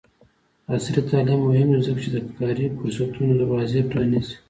عصري تعلیم مهم دی ځکه چې د کاري فرصتونو دروازې پرانیزي.